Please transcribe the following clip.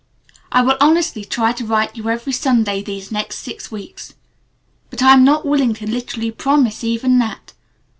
"I will honestly try to write you every Sunday these next six weeks, but I am not willing to literally promise even that.